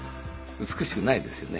美しくないですよね。